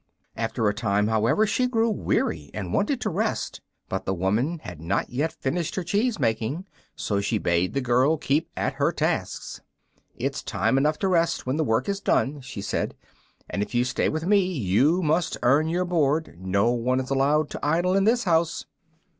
After a time, however, she grew weary, and wanted to rest; but the woman had not yet finished her cheese making, so she bade the girl keep at her tasks. "It's time enough to rest when the work is done," she said, "and if you stay with me you must earn your board. No one is allowed to idle in this house."